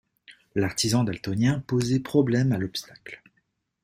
L'artisan daltonien posait problème à l'obstacle.